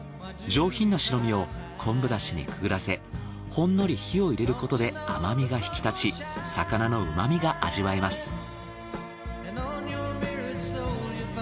上品な白身を昆布だしにくぐらせほんのり火を入れることで甘みが引き立ち魚のうまみが味わえます。